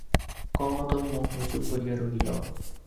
কমলা তবু মুখ নিচু করিয়া রহিল।